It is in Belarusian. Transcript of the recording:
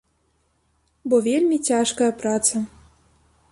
Бо вельмі цяжкая праца.